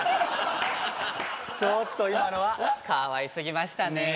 ちょっと今のはかわいすぎましたね